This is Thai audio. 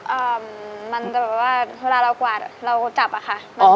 อ่ามันแปลว่าเวลาเรากวาดเราจับค่ะ